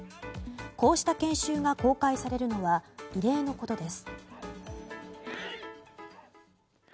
こうした研修が公開されるのは異例のことです。